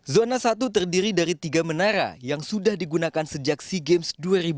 zona satu terdiri dari tiga menara yang sudah digunakan sejak sea games dua ribu delapan belas